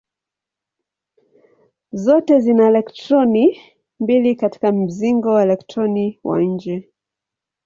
Zote zina elektroni mbili katika mzingo elektroni wa nje.